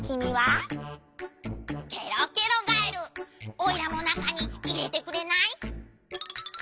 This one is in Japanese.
おいらもなかにいれてくれない？」。